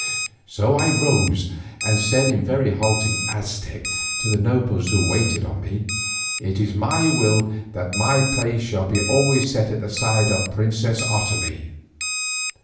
So I rose and said in very halting Aztec to the nobles who waited on me, "It is my will that my place shall always be set by the side of the princess Otomie."